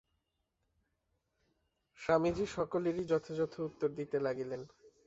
স্বামীজী সকলেরই যথাযথ উত্তর দিতে লাগিলেন।